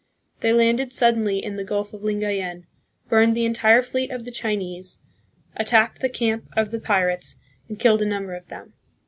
They landed suddenly in the Gulf of Lingayen, burned the entire fleet of the Chinese, attacked the camp of the pirates, and killed a number of them.